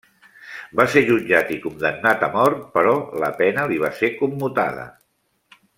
Va ser jutjat i condemnat a mort, però la pena li va ser commutada.